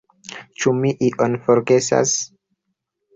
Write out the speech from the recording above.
Ĉu mi ion forgesas?